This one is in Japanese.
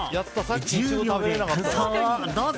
１０秒で感想をどうぞ。